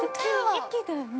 ◆駅だよね。